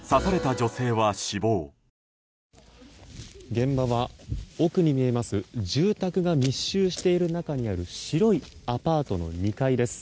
現場は、奥に見えます住宅が密集している中にある白いアパートの２階です。